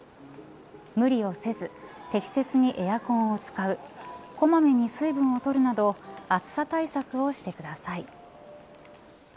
無理をせず、適切にエアコンを使う小まめに水分を取るなど暑さ対策をしてください。